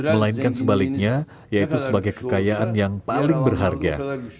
melainkan sebaliknya yaitu sebagai kekayaan yang paling berharga